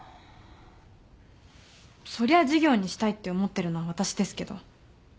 そりゃあ事業にしたいって思ってるのは私ですけど。